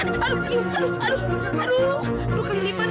aduh kelipan kan